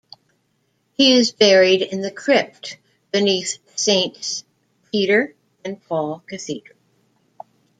He is buried in the crypt beneath Saints Peter and Paul Cathedral.